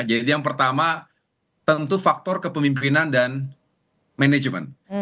jadi yang pertama tentu faktor kepemimpinan dan manajemen